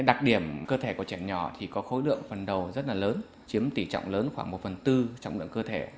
đặc điểm cơ thể của trẻ nhỏ thì có khối lượng phần đầu rất là lớn chiếm tỷ trọng lớn khoảng một phần tư trọng lượng cơ thể